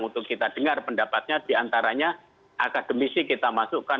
untuk kita dengar pendapatnya diantaranya akademisi kita masukkan